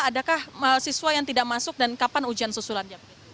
adakah siswa yang tidak masuk dan kapan ujian susulan